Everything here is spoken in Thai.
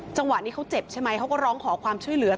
จังหวะนี้เขาเจ็บใช่ไหมเขาก็ร้องขอความช่วยเหลือ